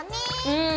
うん。